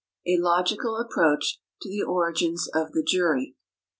A Logical Approach to the Origins of the Jury.